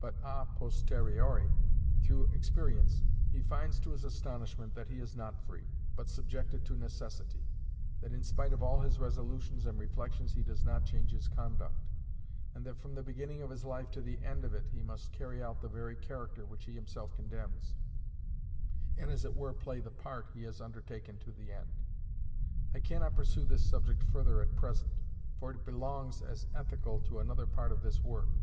But a posteriori, through experience, he finds to his astonishment that he is not free, but subjected to necessity; that in spite of all his resolutions and reflections he does not change his conduct, and that from the beginning of his life to the end of it, he must carry out the very character which he himself condemns, and as it were play the part he has undertaken to the end. I cannot pursue this subject further at present, for it belongs, as ethical, to another part of this work.